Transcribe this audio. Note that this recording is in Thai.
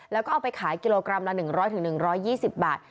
แล้วก็เอาไปขายกิโลกรัมละ๑๐๐๑๒๐บาท